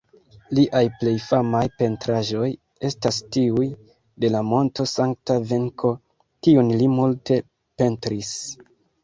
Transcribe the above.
Liaj plej famaj pentraĵoj estas tiuj de la monto Sankta-Venko kiun li multe pentris.